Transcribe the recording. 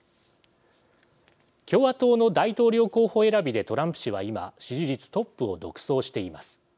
共和党の大統領候補選びでトランプ氏は今支持率トップを独走しています。